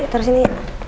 eh taro sini